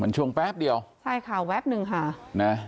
มันช่วงแป๊บเดียวใช่ค่ะแวบหนึ่งค่ะนะ